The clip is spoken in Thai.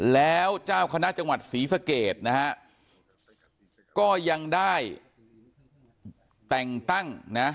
แล้วเจ้าคณะจังหวัดศรีสะเกดนะฮะก็ยังได้แต่งตั้งนะ